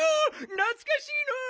なつかしいのう。